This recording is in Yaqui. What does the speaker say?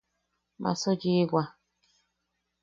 Maaso yiʼiwa.